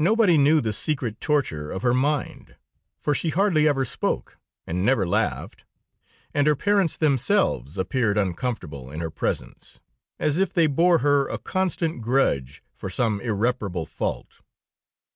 "Nobody knew the secret torture of her mind, for she hardly ever spoke, and never laughed, and her parents themselves appeared uncomfortable in her presence, as if they bore her a constant grudge for some irreparable fault.